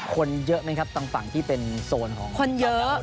คนเยอะไหมครับทางฝั่งที่เป็นโซนของคนเยอะ